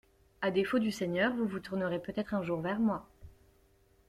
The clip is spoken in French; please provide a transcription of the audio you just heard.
A défaut du Seigneur, vous vous tournerez peut-être un jour vers moi.